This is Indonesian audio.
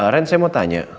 ren saya mau tanya